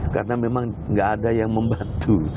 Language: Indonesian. karena memang gak ada yang membantu